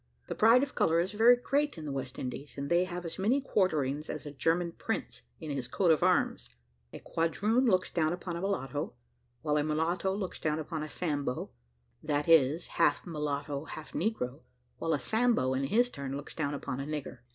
The pride of colour is very great in the West Indies, and they have as many quarterings as a German prince, in his coat of arms; a quadroon looks down upon a mulatto, while a mulatto looks down upon a sambo, that is, half mulatto half negro, while a sambo in his turn looks down upon a nigger.